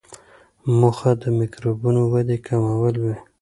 موخه د میکروبونو ودې کمول وي.